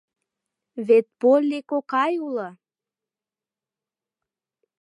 — Вет Полли кокай уло!